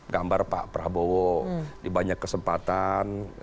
gambar pak prabowo di banyak kesempatan